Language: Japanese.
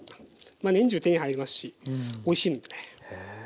まあ年中手に入りますしおいしいのでね。